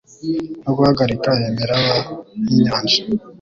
no guhagarika imiraba y'inyanja ?